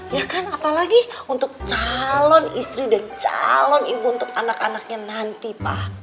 ya kan apalagi untuk calon istri dan calon ibu untuk anak anaknya nanti pak